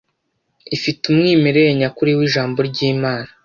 ifite umwimerere nyakuri w’ijambo ry’Imana